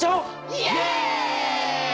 イエイ！